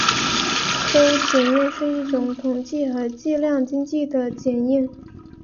邹检验是一种统计和计量经济的检验。